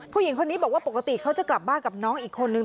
ผู้หญิงคนนี้บอกว่าปกติเขาจะกลับบ้านกับน้องอีกคนนึง